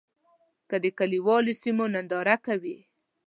که د کلیوالي سیمو ننداره کوې.